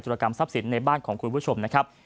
รกรรมทรัพย์สินในบ้านของคุณผู้ชมนะครับ